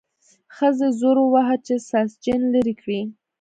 ښځې زور وواهه چې ساسچن لرې کړي.